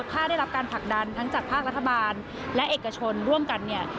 ถ้าได้รับการผลักดันทั้งจากภาครัฐบาลและเอกชนร่วมกันเนี่ย